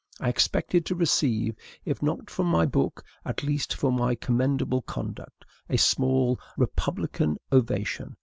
I expected to receive, if not for my book, at least for my commendable conduct, a small republican ovation.